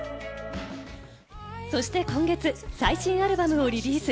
そして今月、最新アルバムをリリース。